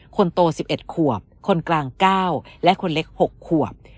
คนโต๑๑ขวบคนกลาง๙และคนเล็ก๖ขวบ